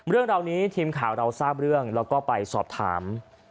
เรื่องราวนี้ทีมข่าวเราทราบเรื่องแล้วก็ไปสอบถาม